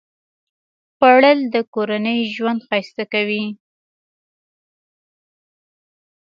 خوړل د کورنۍ ژوند ښایسته کوي